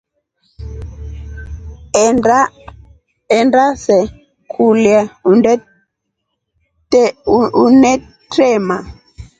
Enda se kulya unetrema.